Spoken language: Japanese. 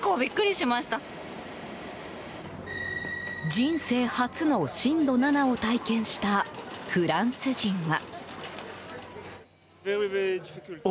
人生初の震度７を体験したフランス人は。